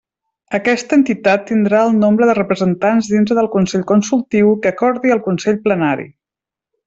Aquesta entitat tindrà el nombre de representats dintre del Consell Consultiu, que acordi el Consell Plenari.